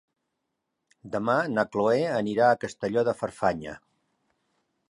Demà na Cloè anirà a Castelló de Farfanya.